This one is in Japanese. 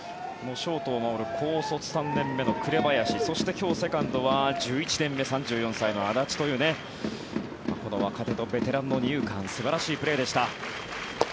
ショートを守る高卒３年目の紅林そして、今日、セカンドは１１年目３４歳の安達というこの若手とベテランの二遊間素晴らしいプレーでした。